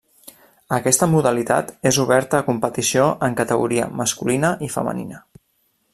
Aquesta modalitat és oberta a competició en categoria masculina i femenina.